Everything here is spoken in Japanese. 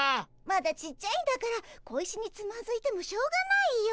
まだちっちゃいんだから小石につまずいてもしょうがないよ。